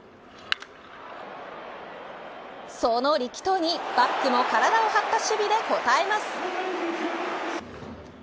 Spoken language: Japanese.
その力投にバックも体を張った守備で応えます。